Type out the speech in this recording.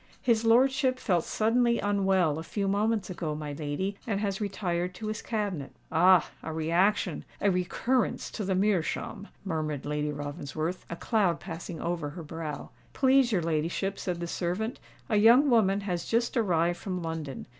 "His lordship felt suddenly unwell a few moments ago, my lady, and has retired to his cabinet." "Ah! a reaction—a recurrence to the meerschaum!" murmured Lady Ravensworth, a cloud passing over her brow. "Please your ladyship," said the servant, "a young woman has just arrived from London.